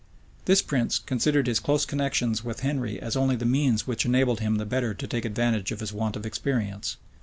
This prince considered his close connections with Henry only as the means which enabled him the better to take advantage of his want of experience.